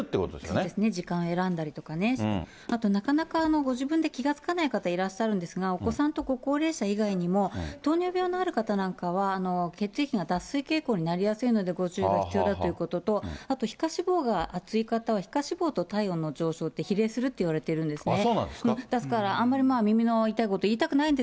そうですね、時間を選んだりとかね、あと、なかなかご自分で気がつかない方いらっしゃるんですが、お子さんとご高齢者以外にも、糖尿病のある方なんかは、血液が脱水傾向になりやすいので、ご注意が必要だということと、あと皮下脂肪が厚い方は、皮下脂肪と体温の上昇って比例するっていわれてるんですね。